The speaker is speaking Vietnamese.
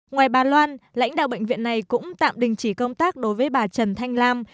ngoài bà loan lãnh đạo bệnh viện này cũng tạm đình chỉ công tác đối với bà trần thanh lam